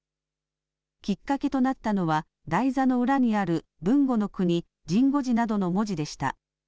きっかけとなったのは台座の裏にある豊後の国、神護寺などの文字でした。